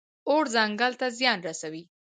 اور ځنګل ته زیان رسوي.